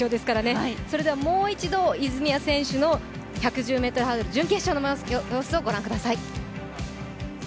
もう一度、泉谷選手の１１０ｍハードル準決勝の様子をご覧ください。